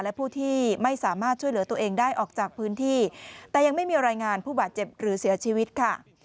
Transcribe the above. และผู้ที่ไม่สามารถช่วยเหลือตัวเองได้ออกจากพื้นที่แต่ยังไม่มีรายงานผู้บาดเจ็บหรือเสียชีวิตค่ะ